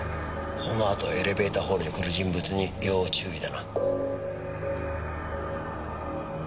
このあとエレベーターホールに来る人物に要注意だな。